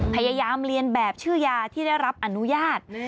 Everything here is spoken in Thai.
พยายามเรียนแบบชื่อยาที่ได้รับอนุญาต